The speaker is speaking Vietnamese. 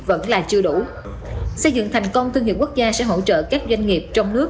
vẫn là chưa đủ xây dựng thành công thương hiệu quốc gia sẽ hỗ trợ các doanh nghiệp trong nước